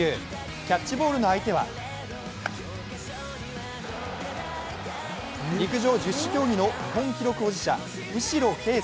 キャッチボールの相手は陸上十種競技の日本記録保持者、右代啓祐。